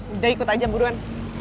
udah ikut aja buruan